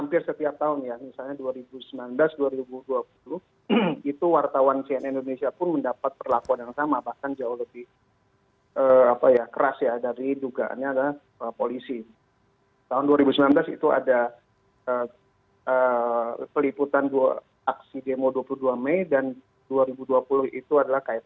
pertanyaan sebelumnya itu belum tuntas